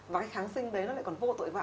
và cái kháng sinh đấy nó lại còn vô tội vạ